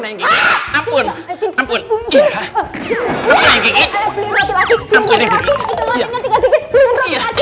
ampun ampun ampun